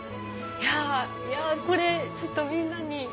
いやこれちょっとみんなに。